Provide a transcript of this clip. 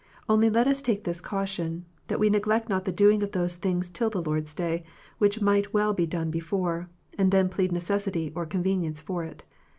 Only let us take this caution, that we neglect not the doing of those things till the Lord s Day, which might be well done before, and then plead necessity or convenience for it."